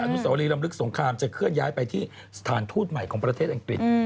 นุสวรีรำลึกสงครามจะเคลื่อนย้ายไปที่สถานทูตใหม่ของประเทศอังกฤษ